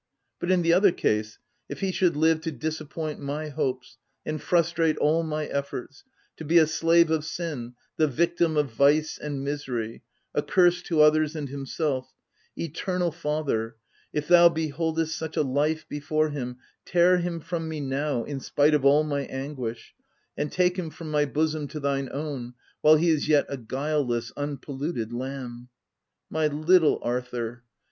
But in the other case, if he should live to disappoint my hopes, and frustrate all my efforts— to be a slave of sin, the victim of vice and misery, a curse to others and himself — Eternal Father, if Thou beholdest such a life before him, tear him from me now in spite of all my anguish, and take him from my bosom to thine own, while he is yet a guileless, unpol uted lamb ! My little Arthur